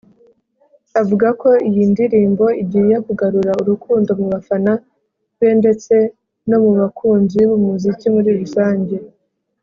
Avuga ko iyi ndirimbo igiye kugarura urukundo mu bafana be ndetse no mu bakunzi b’umuziki muri rusange